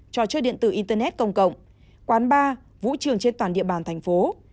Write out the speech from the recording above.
trò chơi điện tử internet công cộng quán bar vũ trường trên toàn địa bàn thành phố